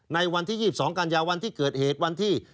ในวันที่๒๒กันยาวันที่เกิดเหตุวันที่